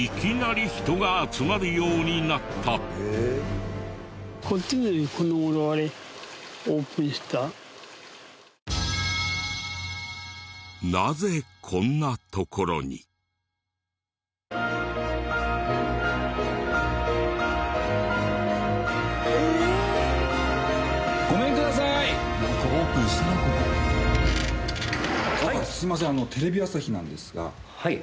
すいませんテレビ朝日なんですが。